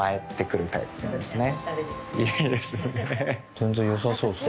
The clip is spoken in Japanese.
全然良さそうですね。